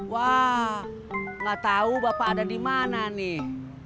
wah nggak tahu bapak ada di mana nih